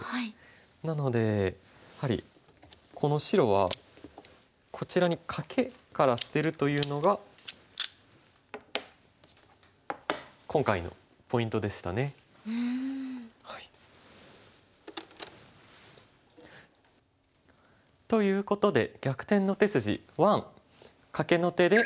なのでやはりこの白はこちらにカケから捨てるというのが今回のポイントでしたね。ということで「逆転の手筋１」。